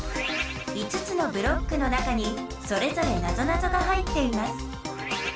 ５つのブロックの中にそれぞれなぞなぞが入っています。